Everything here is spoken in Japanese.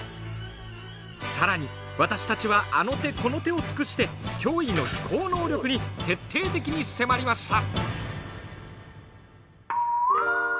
更に私たちはあの手この手を尽くして驚異の飛行能力に徹底的に迫りました！